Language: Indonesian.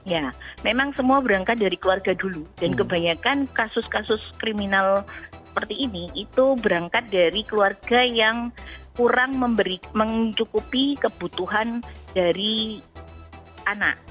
ya memang semua berangkat dari keluarga dulu dan kebanyakan kasus kasus kriminal seperti ini itu berangkat dari keluarga yang kurang mencukupi kebutuhan dari anak